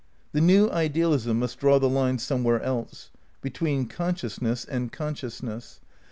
The new idealism must draw the line somewhere else. Between consciousness and consciousness.